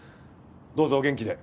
どうぞお元気で。